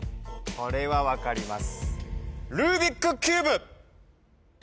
これは分かります